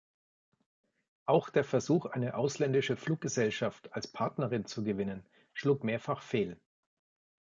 Auch der Versuch, eine ausländische Fluggesellschaft als Partnerin zu gewinnen, schlug mehrfach fehl.